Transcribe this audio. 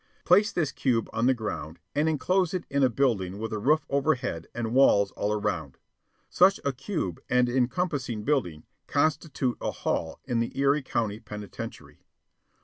Place this cube on the ground and enclose it in a building with a roof overhead and walls all around. Such a cube and encompassing building constitute a "hall" in the Erie County Penitentiary.